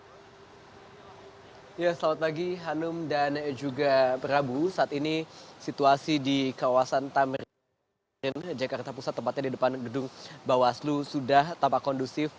ya selamat pagi hanum dan juga prabu saat ini situasi di kawasan tamrin jakarta pusat tempatnya di depan gedung bawaslu sudah tampak kondusif